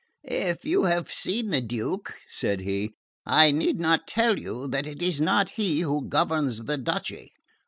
"If you have seen the Duke," said he, "I need not tell you that it is not he who governs the duchy.